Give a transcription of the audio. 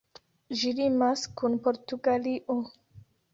Ĝi limas kun Portugalio.